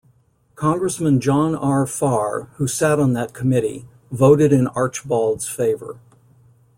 Congressman, John R. Farr, who sat on that committee, voted in Archbald's favor.